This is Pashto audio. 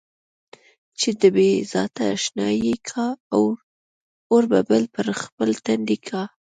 چې د بې ذاته اشنايي کا، اور به بل پر خپل تندي کا.